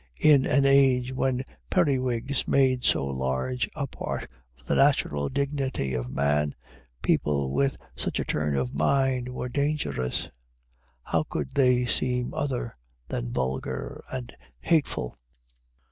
In an age when periwigs made so large a part of the natural dignity of man, people with such a turn of mind were dangerous. How could they seem other than vulgar and hateful?